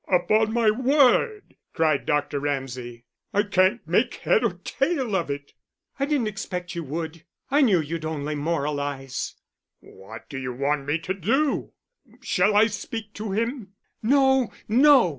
"Upon my word," cried Dr. Ramsay, "I can't make head or tail of it." "I didn't expect you would. I knew you'd only moralise." "What d'you want me to do? Shall I speak to him?" "No! No!